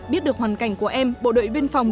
biết được hoàn cảnh của em bộ đội biên phòng